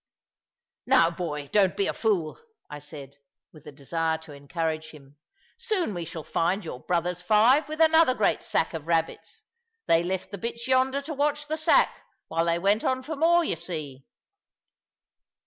"Now, boy, don't be a fool," I said, with the desire to encourage him; "soon we shall find your brothers five, with another great sack of rabbits. They left the bitch yonder to watch the sack, while they went on for more, you see."